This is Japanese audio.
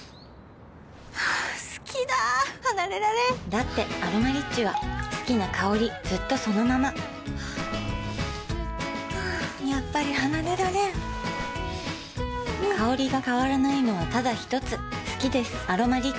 好きだ離れられんだって「アロマリッチ」は好きな香りずっとそのままやっぱり離れられん香りが変わらないのはただひとつ好きです「アロマリッチ」